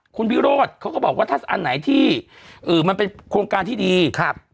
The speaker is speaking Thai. คุณวิโรธเขาก็บอกว่าถ้าอันไหนที่เอ่อมันเป็นโครงการที่ดีครับ